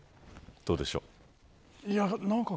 どうでしょうか。